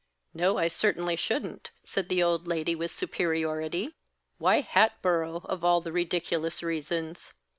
"No, I certainly shouldn't," said the old lady, with superiority. "Why Hatboro', of all the ridiculous reasons?"